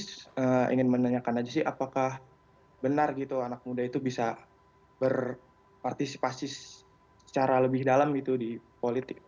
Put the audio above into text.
saya ingin menanyakan aja sih apakah benar gitu anak muda itu bisa berpartisipasi secara lebih dalam gitu di politik